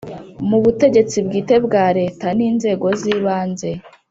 Mu butegetsi bwite bwa Leta n’ inzego z’ibanze